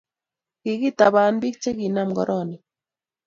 kikitabaan piik che kikanam korona